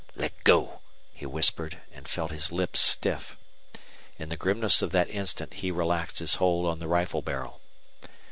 "Let go!" he whispered, and felt his lips stiff. In the grimness of that instant he relaxed his hold on the rifle barrel.